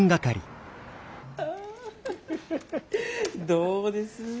どうです？